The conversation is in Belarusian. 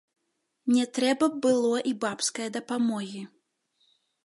Не трэба б было і бабскае дапамогі.